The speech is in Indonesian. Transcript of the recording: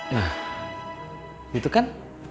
nah gitu kan